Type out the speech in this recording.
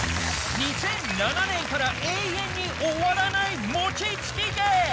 ２００７年から永遠に終わらない餅つき芸。